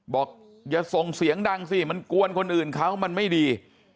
บอกอย่าส่งเสียงดังสิมันกวนคนอื่นเขามันไม่ดี